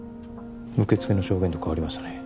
受付の証言と変わりましたね